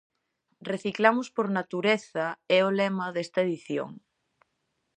"Reciclamos por natureza" é o lema desta edición.